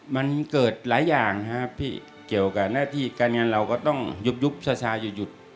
มันเกิดหลายอย่างครับพี่เกี่ยวกับหน้าที่การงานเราก็ต้องยุบซาหยุด